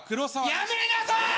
やめなさい！